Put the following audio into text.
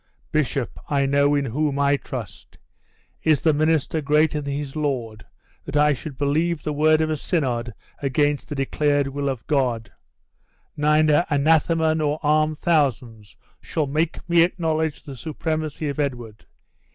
Bishop, I know in whom I trust. Is the minister greater than his lord, that I should believe the word of a synod against the declared will of God? Neither anathema nor armed thousands shall make me acknowledge the supremacy of Edward.